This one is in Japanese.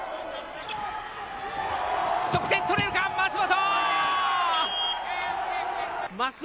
得点取れるか、舛本。